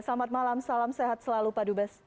selamat malam salam sehat selalu pak dubes